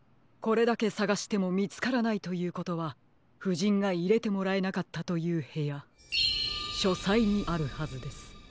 これだけさがしてもみつからないということはふじんがいれてもらえなかったというへやしょさいにあるはずです。